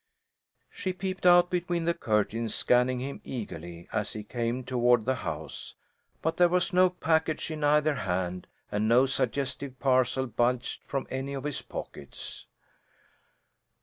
She peeped out between the curtains, scanning him eagerly as he came toward the house, but there was no package in either hand, and no suggestive parcel bulged from any of his pockets.